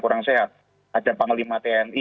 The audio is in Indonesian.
kurang sehat ada panglima tni